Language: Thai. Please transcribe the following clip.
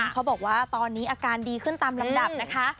เขาบอกว่าตอนนี้อาการดีขึ้นตามลำดับนะคะ